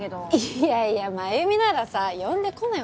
いやいや繭美ならさ呼んで来ない